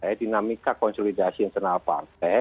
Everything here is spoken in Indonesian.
eh dinamika konsolidasi internal partai